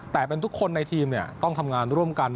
แต่เป็นทุกคนในทีมต้องทำงานร่วมกัน